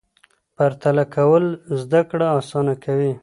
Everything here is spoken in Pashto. پرتله کول زده کړه اسانه کوي.